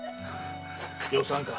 よさんか。